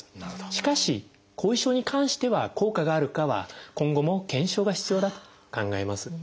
しかし後遺症に関しては効果があるかは今後も検証が必要だと考えます。